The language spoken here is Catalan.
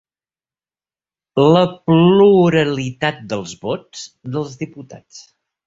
La pluralitat dels vots, dels diputats.